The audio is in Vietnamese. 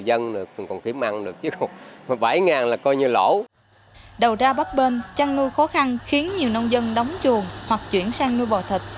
đầu ra bắp bên chăn nuôi khó khăn khiến nhiều nông dân đóng chuồng hoặc chuyển sang nuôi bò thịt